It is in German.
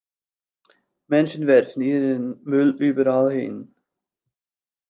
Menschen werfen ihren Müll überall hin.